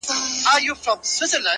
دواړه ځوانۍ کې د يو بل غوندې و